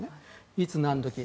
いつ何時も。